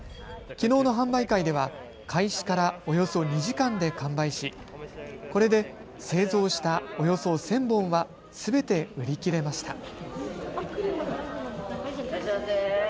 きのうの販売会では開始からおよそ２時間で完売しこれで製造したおよそ１０００本はすべて売り切れました。